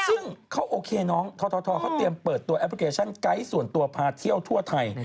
ซึ่งเขาโอเคน้องททเขาเตรียมเปิดตัวแอปพลิเคชันไกด์ส่วนตัวพาเที่ยวทั่วไทย